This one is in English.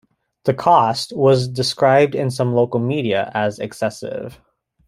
The cost was described in some local media as excessive.